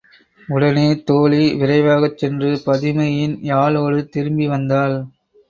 உடனே தோழி விரைவாகச் சென்று பதுமையின் யாழோடு திரும்பி வந்தாள்.